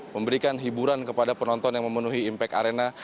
memberikan hiburan kepada penonton yang memenuhi impact arena